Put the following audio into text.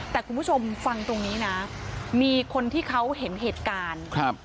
แต่คุณผู้ชมฟังตรงนี้นะมีคนที่เขาเห็นเหตุการณ์ครับ